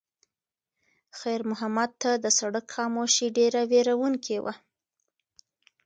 خیر محمد ته د سړک خاموشي ډېره وېروونکې وه.